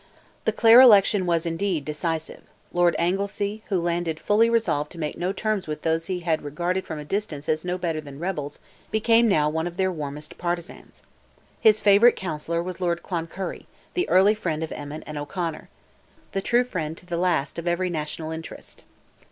The Clare election was, indeed, decisive; Lord Anglesea, who landed fully resolved to make no terms with those he had regarded from a distance as no better than rebels, became now one of their warmest partisans. His favourite counsellor was Lord Cloncurry, the early friend of Emmet and O'Conor; the true friend to the last of every national interest.